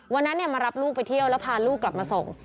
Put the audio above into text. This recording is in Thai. วันนั้นมารับลูกไปเที่ยวแล้วพาลูกกลับมาส่ง